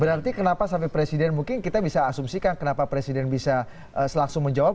berarti kenapa sampai presiden mungkin kita bisa asumsikan kenapa presiden bisa selaksu menjawab